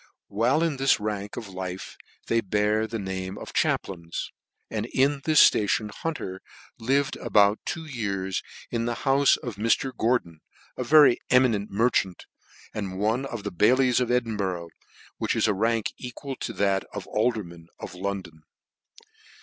While in this rank of life they bear the name of chaplains , and in this ftation Hunter lived about two years, in the houfe of Mr . Gor don, a very eminent merchant, and one of the bailies of Edinburgh, which is a rank equal to that of alderman of London.